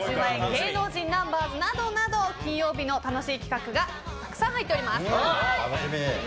芸能人ナンバーズなどなど金曜日の楽しい企画がたくさん入っております。